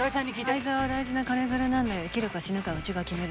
愛沢は大事な金づるなんで生きるか死ぬかはうちが決める。